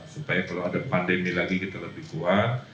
supaya kalau ada pandemi lagi kita lebih kuat